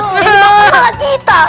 dia dimakan malah kita